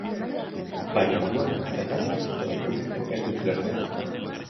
Baina orduan, zergatik ezkutatu du? Ez dut ulertzen.